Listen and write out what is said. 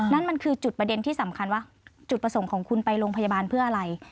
นั่นมันคือจุดประเด็นที่สำคัญว่าจุดประสงค์ของคุณไปโรงพยาบาลเพื่ออะไร